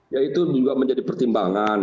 ya itu juga menjadi pertimbangan